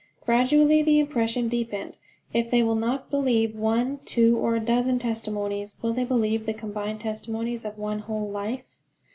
Gradually the impression deepened: "If they will not believe one, two, or a dozen testimonies, will they believe the combined testimonies of one whole life?"